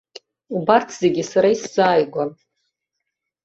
Убарҭ зегьы сара исзааигәан.